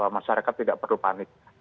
masyarakat tidak perlu panik